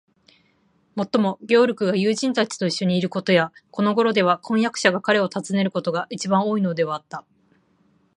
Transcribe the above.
もっとも、ゲオルクが友人たちといっしょにいることや、このごろでは婚約者が彼を訪ねることが、いちばん多いのではあった。